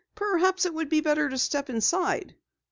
"Perhaps it would be better to step inside."